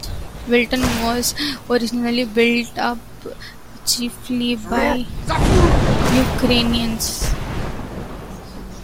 Wilton was originally built up chiefly by Ukrainians.